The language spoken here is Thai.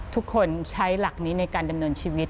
ทุกคนใช้หลักนี้ในการดำเนินชีวิต